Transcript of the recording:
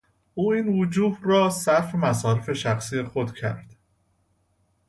او این وجوه را صرف مصارف شخصی خود کرد.